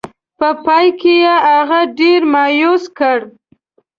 په پای کې یې هغه ډېر مایوس کړ.